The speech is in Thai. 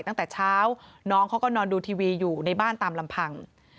ตั้งแต่เช้าน้องเขาก็นอนดูทีวีอยู่ในบ้านตามลำพัง